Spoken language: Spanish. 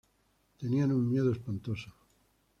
Tenían un miedo espantoso.